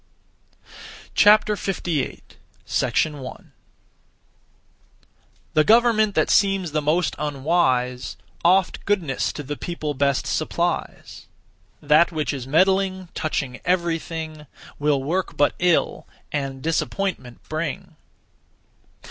58. 1. The government that seems the most unwise, Oft goodness to the people best supplies; That which is meddling, touching everything, Will work but ill, and disappointment bring.